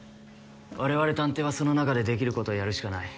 われわれ探偵はその中でできることをやるしかない。